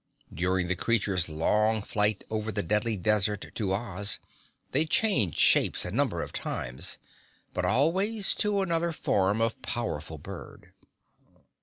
During the creatures' long flight over the Deadly Desert to Oz, they changed shapes a number of times, but always to another form of powerful bird.